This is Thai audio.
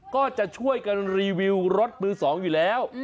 ก็จะช่วยกันรีวิวรถมือ๒อยู่แล้ว